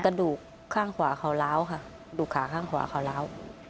กระดูกข้างขวาเขาล้าวค่ะดูขาข้างขวาเขาล้าว